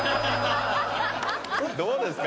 どうですか？